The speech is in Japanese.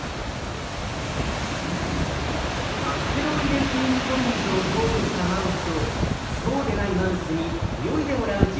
バクテロイデス・ユニフォルミスを投与したマウスとそうでないマウスに泳いでもらう実験。